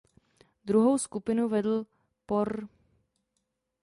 Druhou skupinu vedl por.